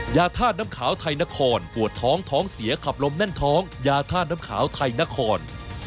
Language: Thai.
ยาท่าน้ำขาวไทยนครปวดท้องท้องเสียขับลมแน่นท้องยาท่าน้ำขาวไทยนคร